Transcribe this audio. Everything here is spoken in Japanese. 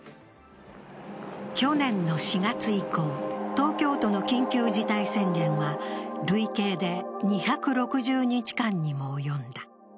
去年の４月以降、東京都の緊急事態宣言は累計で２６０日間にも及んだ。